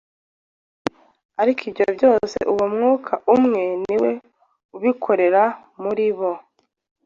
ariko ibyo byose uwo Mwuka umwe ni we ubikorera muri bo,